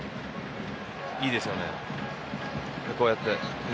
いいですよね。